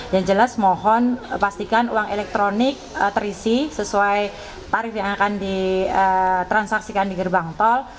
yang jelas mohon pastikan uang elektronik terisi sesuai tarif yang akan ditransaksikan di gerbang tol